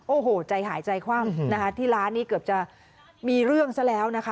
โอ้โหใจหายใจคว่ำนะคะที่ร้านนี้เกือบจะมีเรื่องซะแล้วนะคะ